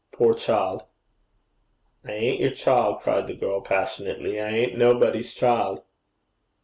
Poor child!' 'I ain't your child,' cried the girl, passionately. 'I ain't nobody's child.'